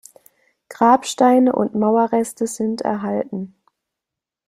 Grabsteine und Mauerreste sind erhalten.